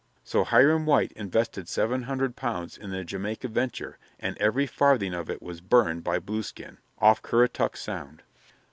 So Hiram White invested seven hundred pounds in the Jamaica venture and every farthing of it was burned by Blueskin, off Currituck Sound.